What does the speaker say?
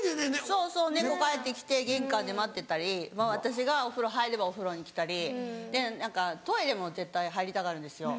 そうそう猫帰って来て玄関で待ってたりまぁ私がお風呂入ればお風呂に来たりで何かトイレも絶対入りたがるんですよ。